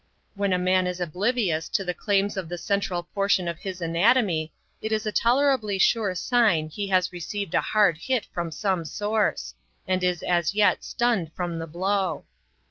When a man is oblivious to the claims of the central portion of his anatomy it is a tolerably sure sign he has received a hard hit from some source, and is as yet stunned from the blow.